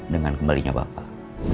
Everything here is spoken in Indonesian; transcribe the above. dengan kembalinya bapak